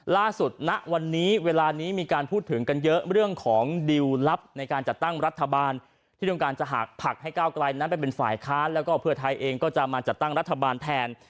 ล่าสุดณวันนี้เวลานี้มีการพูดถึงกันเยอะเรื่องของดิวลลับในการจัดตั้งรัฐบาลที่ต้องการจะหากผลักให้ก้าวไกลนั้นไปเป็นฝ่ายค้านแล้วก็เพื่อไทยเองก็จะมาจัดตั้งรัฐบาลแทน